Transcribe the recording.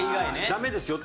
ダメですよ！